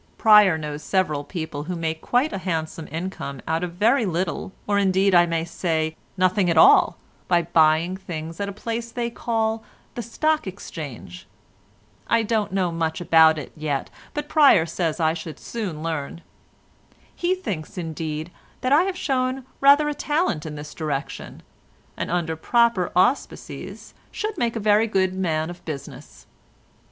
Pryer knows several people who make quite a handsome income out of very little or, indeed, I may say, nothing at all, by buying things at a place they call the Stock Exchange; I don't know much about it yet, but Pryer says I should soon learn; he thinks, indeed, that I have shown rather a talent in this direction, and under proper auspices should make a very good man of business.